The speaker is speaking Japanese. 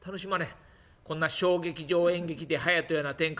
こんな小劇場演劇ではやったような展開」。